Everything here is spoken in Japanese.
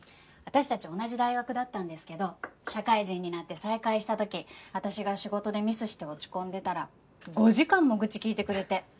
私たち同じ大学だったんですけど社会人になって再会した時私が仕事でミスして落ち込んでたら５時間も愚痴聞いてくれて。